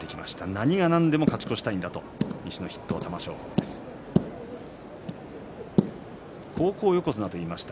何が何でも勝ち越したいんだと西の筆頭玉正鳳、話していました。